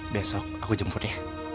besok aku jemput ya